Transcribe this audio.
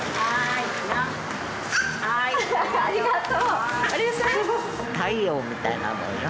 ありがとう！